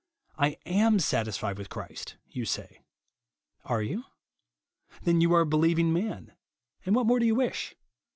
" I am satisfied with Christ," you say. Are you? Then you are a beheving man ; and what more do you wish